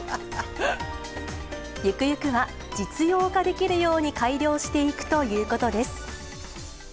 ゆくゆくは実用化できるように改良していくということです。